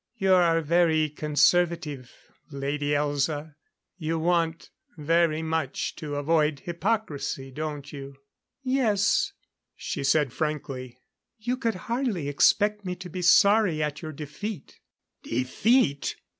"You are very conservative, Lady Elza. You want very much to avoid hypocrisy, don't you?" "Yes," she said frankly. "You could hardly expect me to be sorry at your defeat." "Defeat?"